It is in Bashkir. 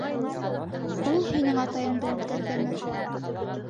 Ул һинең атайыңды үлтерҙеме?